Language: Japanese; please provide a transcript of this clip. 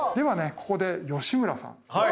ここで吉村さんはい。